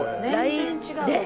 全然違う徳さん。